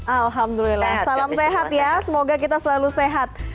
alhamdulillah salam sehat ya semoga kita selalu sehat